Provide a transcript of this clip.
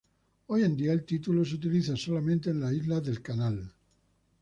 Hoy en día, el título se utiliza solamente en las Islas del Canal.